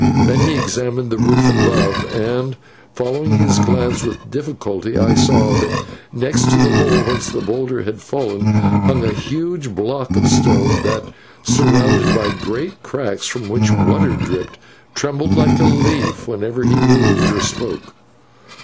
Then he examined the roof above, and, following his glance with difficulty, I saw that next to the hole whence the boulder had fallen, hung a huge block of stone, that, surrounded by great cracks from which water dropped, trembled like a leaf whenever he moved or spoke.